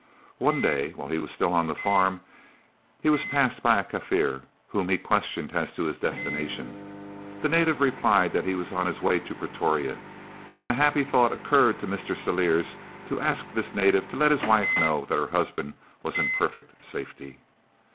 One day, while he was still on the farm, he was passed by a Kaffir, whom he questioned as to his destination. The native replied that he was on his way to Pretoria, and the happy thought occurred to Mr. Celliers to ask this native to let his wife know that her husband was in perfect safety.